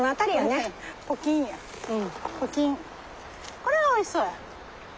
これはおいしそうや。